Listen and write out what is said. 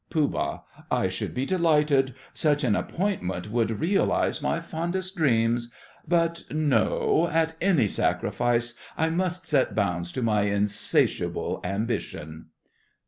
POOH. I should be delighted. Such an appointment would realize my fondest dreams. But no, at any sacrifice, I must set bounds to my insatiable ambition!